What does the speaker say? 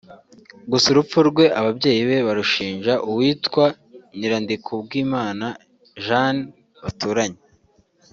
gusa urupfu rwe ababyeyi be barushinja uwitwa Nyirandikubwimana Jeanne baturanye